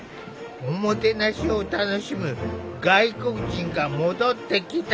“おもてなし”を楽しむ外国人が戻ってきた。